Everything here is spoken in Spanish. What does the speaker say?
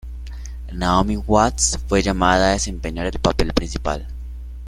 Naomi Watts fue llamada a desempeñar el papel principal.